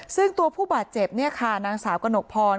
ซึ่งตัวผู้บาดเจ็บเนี่ยค่ะนางสาวกระหนกพร